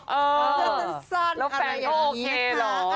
แล้วแฟนโอเคหรอ